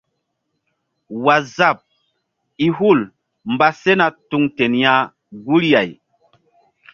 Waazap i hul mba sena tuŋ ten ya guri-ah.